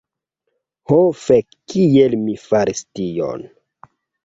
"Ho fek' kiel mi faris tion"